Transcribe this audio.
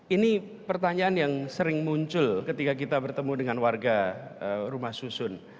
ini pertanyaan yang sering muncul ketika kita bertemu dengan warga rumah susun